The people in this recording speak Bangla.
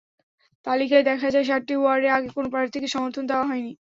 তালিকায় দেখা যায়, সাতটি ওয়ার্ডে আগে কোনো প্রার্থীকে সমর্থন দেওয়া হয়নি।